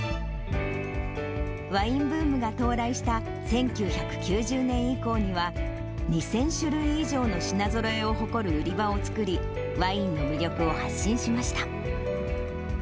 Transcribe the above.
ワインブームが到来した１９９０年以降には、２０００種類以上の品ぞろえを誇る売り場を作り、ワインの魅力を発信しました。